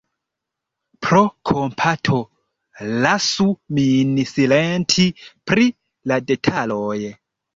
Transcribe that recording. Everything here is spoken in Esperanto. Pro kompato lasu min silenti pri la detaloj!